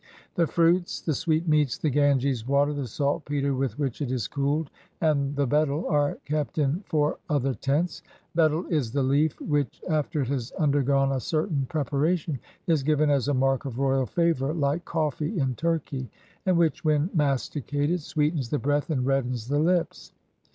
The fruits, the sweetmeats, the Ganges water, the saltpeter with which it is cooled, and the beile, are kept in four other tents. Betle is the leaf which, after it has undergone a certain preparation, is given as a mark of royal favor (like cofi'ee in Turkey), and which when masticated sweetens the breath and reddens the lips.